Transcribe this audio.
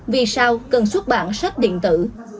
vì sao cần xuất bản sách điện tử